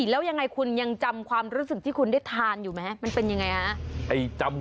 และอยังไงคุณยังจำความรู้สึกที่คุณได้ทานอยู่ไหม